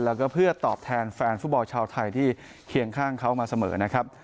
แล้วก็เพื่อตอบแทนแฟนฟุตบอลชาวไทยที่เคียงข้างเขามาเสมอนะครับ